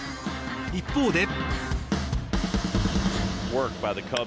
一方で。